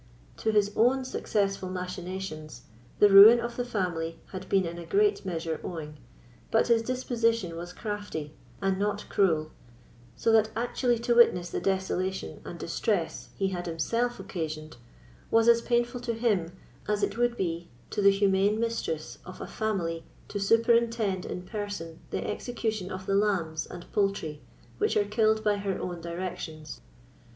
To his own successful machinations, the ruin of the family had been in a great measure owing, but his disposition was crafty, and not cruel; so that actually to witness the desolation and distress he had himself occasioned was as painful to him as it would be to the humane mistress of a family to superintend in person the execution of the lambs and poultry which are killed by her own directions.